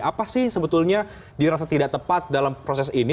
apa sih sebetulnya dirasa tidak tepat dalam proses ini